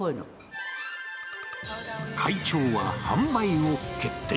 会長は販売を決定。